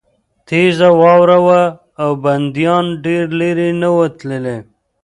تېزه واوره وه او بندیان ډېر لېرې نه وو تللي